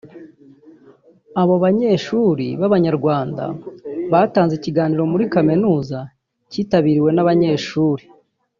abo banyeshuri b’Abanyarwanda batanze ikiganiro muri kaminuza cyitabiriwe n’abanyeshuri